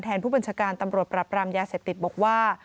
ผู้บัญชาการตำรวจปรับรามยาเสพติดบอกว่า